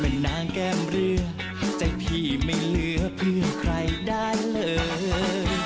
เป็นนางแก้มเรือใจพี่ไม่เหลือพึ่งใครได้เลย